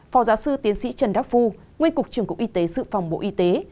phó giáo sư tiến sĩ trần đắc phu nguyên cục trưởng cục y tế sự phòng bộ y tế